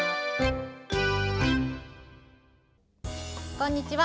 こんにちは。